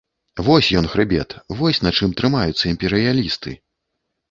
Вось ён хрыбет, вось на чым трымаюцца імперыялісты.